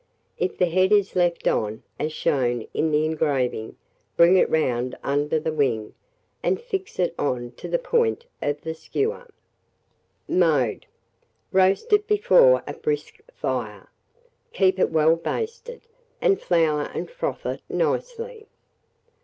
If the head is left on, as shown in the engraving, bring it round under the wing, and fix it on to the point of the skewer. [Illustration: ROAST PHEASANT.] Mode. Roast it before a brisk fire, keep it well basted, and flour and froth it nicely.